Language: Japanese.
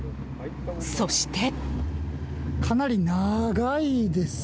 そして。